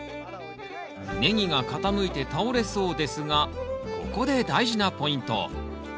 ネギが傾いて倒れそうですがここで大事なポイント。